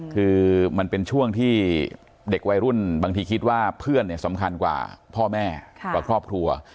คือมันเป็นช่วงที่เด็กวัยรุ่นบางทีคิดว่าเพื่อนสำคัญกว่าพ่อแม่กว่าครอบครัว